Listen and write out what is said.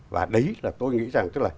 và đấy là tôi nghĩ rằng